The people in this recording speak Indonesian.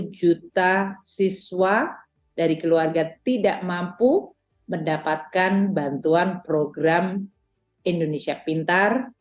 satu juta siswa dari keluarga tidak mampu mendapatkan bantuan program indonesia pintar